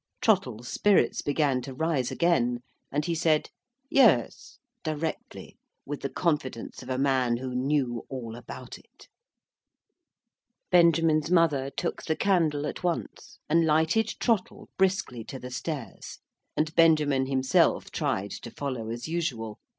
Trottle's spirits began to rise again and he said "Yes," directly, with the confidence of a man who knew all about it. Benjamin's mother took the candle at once, and lighted Trottle briskly to the stairs; and Benjamin himself tried to follow as usual.